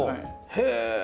へえ。